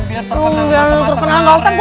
ya lo biar terkenal gak serta serta